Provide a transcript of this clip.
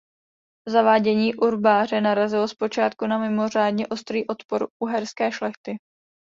Zavádění urbáře narazilo zpočátku na mimořádně ostrý odpor uherské šlechty.